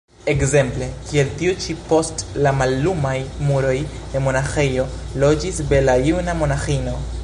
Ekzemple kiel tiu ĉi: post la mallumaj muroj de monaĥejo loĝis bela juna monaĥino.